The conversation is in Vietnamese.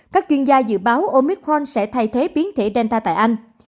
các chuyên gia dự báo omicron sẽ thay thế biến thể delta tại anh